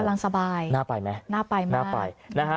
กำลังสบายหน้าไปมาก